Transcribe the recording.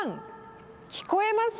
聞こえます？